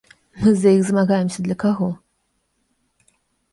Мы за іх змагаемся для каго?